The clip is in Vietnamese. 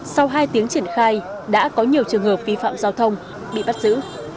sau hai tiếng triển khai đã có nhiều trường hợp vi phạm giao thông bị bắt giữ